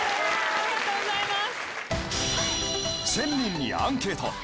ありがとうございます。